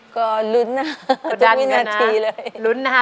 ก็รุ้นนะรุ่นนระตีเลย